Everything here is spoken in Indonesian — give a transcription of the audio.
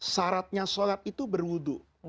saratnya solat itu berwudu